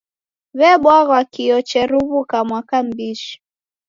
W'ebwaghwa kio cheruw'uka mwaka m'bishi.